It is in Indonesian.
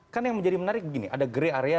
kan yang menjadi menarik gini ada grey area